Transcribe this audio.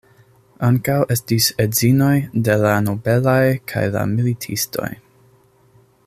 Ankaŭ estis edzinoj de la nobelaj kaj la militistoj.